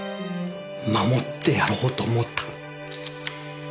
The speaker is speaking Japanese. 守ってやろうと思った。